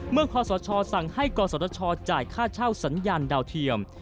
เมื่อพอสวทชสั่งให้กรสวทชจ่ายค่าเช่าสัญญาณดาวเทียม